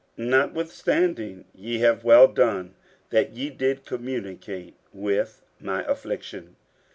50:004:014 Notwithstanding ye have well done, that ye did communicate with my affliction.